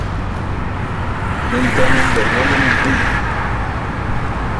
¡Non teñen vergoña ningunha!